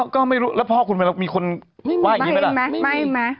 ก็ไม่รู้แล้วพ่อคุณมีคนว่าอย่างนี้ไหมล่ะ